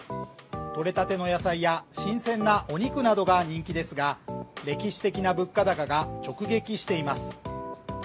とれたての野菜や新鮮なお肉などが人気ですが歴史的な物価高が直撃しています。